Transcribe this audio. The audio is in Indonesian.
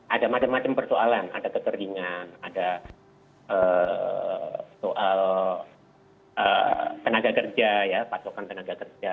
ada macam macam persoalan ada kekeringan ada soal tenaga kerja ya pasokan tenaga kerja